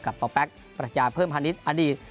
กับต่อแป๊กประจาเพิ่มฮันนิสอดีต